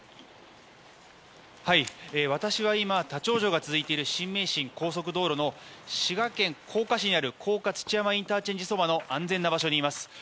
私は今、立ち往生が続いている新名神高速道路の滋賀県甲賀市にある甲賀土山ＩＣそばの安全な場所にいます。